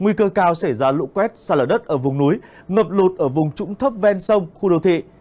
nguy cơ cao xảy ra lũ quét xa lở đất ở vùng núi ngập lụt ở vùng trũng thấp ven sông khu đô thị